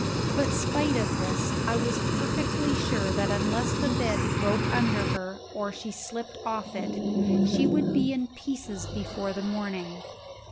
But, spite of this, I was perfectly sure that unless the bed broke under her or she slipt off it, she would be in pieces before the morning.